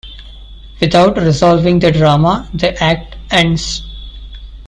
Without resolving the drama, the act ends.